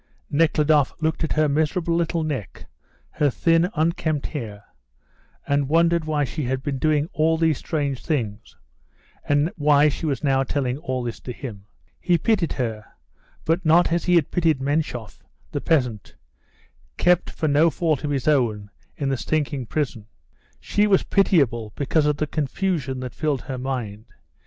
Nekhludoff looked at her miserable little neck, her thin, unkempt hair, and wondered why she had been doing all these strange things, and why she was now telling all this to him. He pitied her, but not as he had pitied Menshoff, the peasant, kept for no fault of his own in the stinking prison. She was pitiable because of the confusion that filled her mind.